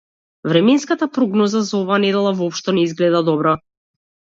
Временската прогноза за оваа недела воопшто не изгледа добро.